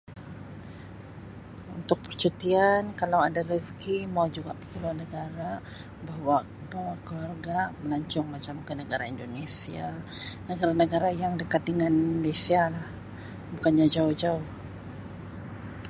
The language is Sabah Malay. Untuk percutian kalau ada rezki mau juga pigi luar negara bawa- bawa keluarga melancong macam ke negara Indonesia, negara-negara yang dekat dengan Malaysia lah bukannya jauh-jauh.